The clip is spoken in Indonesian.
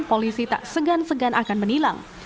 polisi tak segan segan akan menilang